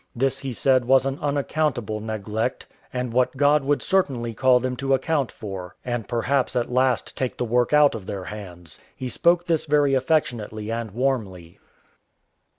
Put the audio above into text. This he said was an unaccountable neglect, and what God would certainly call them to account for, and perhaps at last take the work out of their hands. He spoke this very affectionately and warmly.